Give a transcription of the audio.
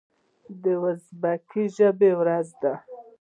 د ازبکي ژبې ورځ ده.